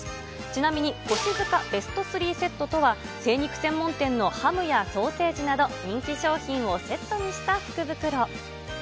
ちなみに腰塚ベスト３セットとは精肉専門店のハムやソーセージなど人気商品をセットにした福袋。